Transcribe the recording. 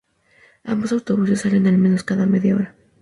Ambos autobuses salen al menos cada media hora.